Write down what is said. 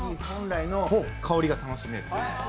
本来の香りが楽しめる。